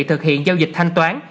thực hiện giao dịch thanh toán